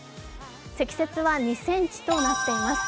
積雪は２ｃｍとなっています